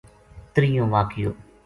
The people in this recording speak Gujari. ترییوں واقعو